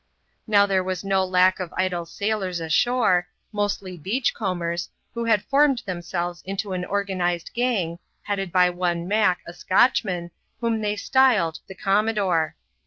Now there was no lack of idle sailor^ ashore, mostly " Beach aombers^" who had formed themselves into an organised gang, headed by one Mack, a Scotchman, whom they styled the Gomr nodore.